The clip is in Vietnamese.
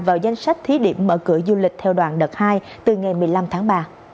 vào danh sách thí điểm mở cửa du lịch theo đoàn đợt hai từ ngày một mươi năm tháng ba